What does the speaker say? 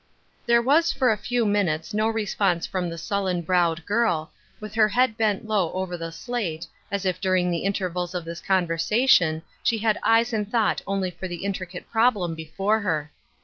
There was for a few minutes no response from the sullen browed girl, with her head bent low over the slate, as if during the intervals of this conversation she had eyes and thought only for the intricate problem before her.